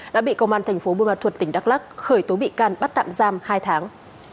đã bị công an thành phố bùa ma thuật tỉnh đắk lắc khởi tố bị can bắt tạm giam hai tháng